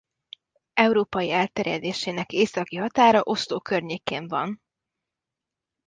Európai elterjedésének északi határa Oslo környékén van.